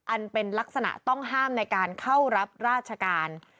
อันเป็นลักษณะต้องห้ามในการเข้ารับราชการ